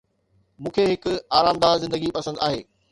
مون کي هڪ آرامده زندگي پسند آهي